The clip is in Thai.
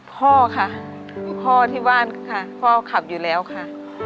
พ่อค่ะพ่อที่บ้านค่ะพ่อขับอยู่แล้วค่ะ